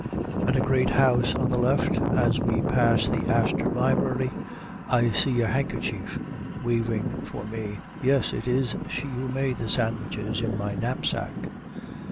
At a great house on the left, as we pass the Astor Library, I see a handkerchief waving for me. Yes! it is she who made the sandwiches in my knapsack.